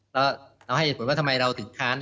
เราให้ผลว่าทำไมเราถึงค้าน